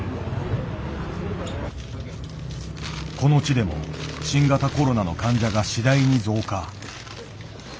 この地でも新型コロナの患者が次第に増加。